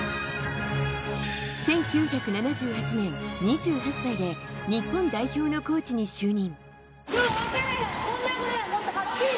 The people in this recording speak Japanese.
１９７８年、２８歳で日本代表のコーチに就任。